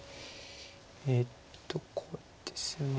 えっとこうです。